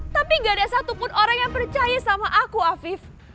tapi gak ada satupun orang yang percaya sama aku afif